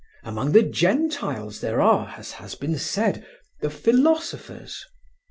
Among the gentiles there are, as has been said, the philosophers.